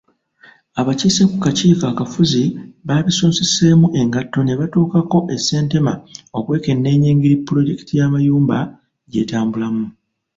Abakiise ku kakiiko akafuzi baabisonseseemu engatto ne batuukako e Ssentema okwekenneenya engeri pulojekiti y'amayumba gy'etambula.